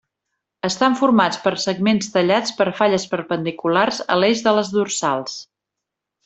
Estan formats per segments tallats per falles perpendiculars a l'eix de les dorsals.